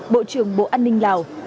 bộ trưởng bộ an ninh lào